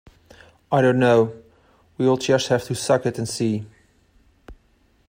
I don't know; we'll just have to suck it and see